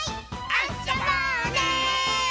あそぼうね！